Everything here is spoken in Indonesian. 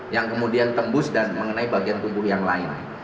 yang kemudian tembus dan mengenai bagian tubuh yang lain